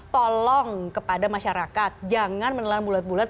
tolong kepada masyarakat jangan menelan bulat bulat